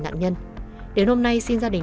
nạn nhân đến hôm nay xin gia đình